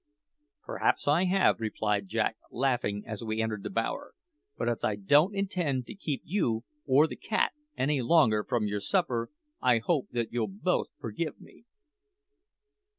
"Perhaps I have," replied Jack, laughing, as we entered the bower; "but as I don't intend to keep you or the cat any longer from your supper, I hope that you'll both forgive me."